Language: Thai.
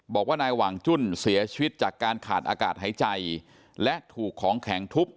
บอกว่านายหว่างจุ้นเสียชีวิตจากการขาดอากาศหายใจและถูกของแข็งทุบ